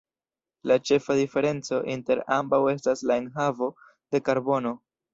La ĉefa diferenco inter ambaŭ estas la enhavo de karbono.